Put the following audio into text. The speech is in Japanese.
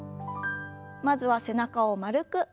まずは背中を丸く。